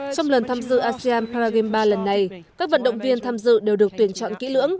trong lần tham dự asean paragame ba lần này các vận động viên tham dự đều được tuyển chọn kỹ lưỡng